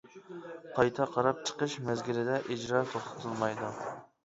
قايتا قاراپ چىقىش مەزگىلىدە ئىجرا توختىتىلمايدۇ.